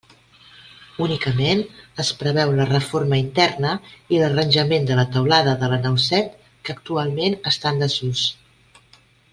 Únicament es preveu la reforma interna i l'arranjament de la teulada de la nau set, que actualment està en desús.